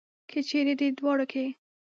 که چېرې دې دواړو کې.